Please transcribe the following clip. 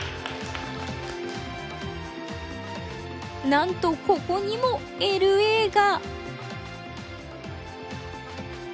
なんとここにも「ＬＡ」が。